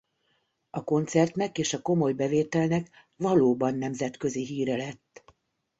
A koncertnek és a komoly bevételnek valóban nemzetközi híre lett.